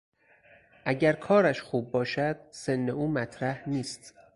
اگر کارش خوب باشد سن او مطرح نیست.